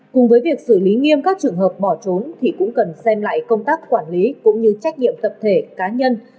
cùng với việc xử lý nghiêm các trường hợp bỏ trốn thì cũng cần xem lại công tác quản lý cũng như trách nhiệm tập thể cá nhân